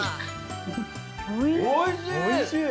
おいしい！